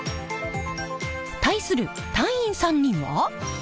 対する隊員３人は？